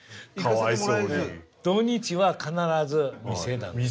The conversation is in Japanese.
土日は必ず店なんです。